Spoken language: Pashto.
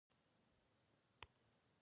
بزګران بیا شاتګ ته نشي ځیر کولی.